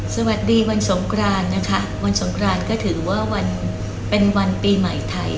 สวัสดีวันสงครานนะคะวันสงครานก็ถือว่าวันเป็นวันปีใหม่ไทย